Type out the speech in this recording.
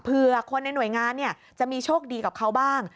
เพื่อคนในหน่วยงานเนี่ยจะมีโชคดีกับเขาบ้าง